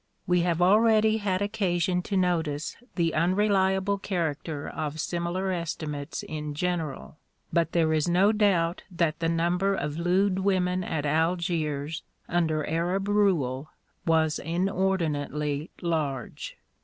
We have already had occasion to notice the unreliable character of similar estimates in general, but there is no doubt that the number of lewd women at Algiers under Arab rule was inordinately large.